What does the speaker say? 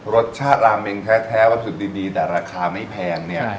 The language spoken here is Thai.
รสชาติราเมงแท้วัสดุดีแต่ราคาไม่แพงเนี่ย